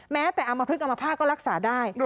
แม้แต่เอามาพลึกเอามาผ้าก็รักษาได้